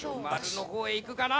○の方へ行くかな？